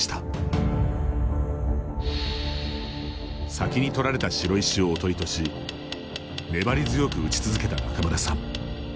先に取られた白石をおとりとし粘り強く打ち続けた仲邑さん。